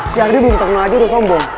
si ardi belum terkenal aja udah sombong